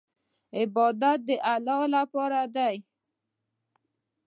عبادت د الله لپاره دی.